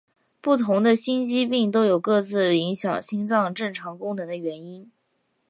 不同的心肌病都有各自影响心脏正常功能的原因。